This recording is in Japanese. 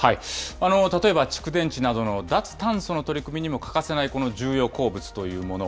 例えば蓄電池などの脱炭素の取り組みにも欠かせないこの重要鉱物というもの。